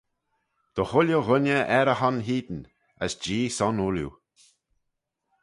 Dy chooilley ghooinney er e hon hene, as Jee son ooilley